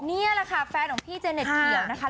นี่แหละค่ะแฟนของพี่เจเน็ตเขียวนะคะ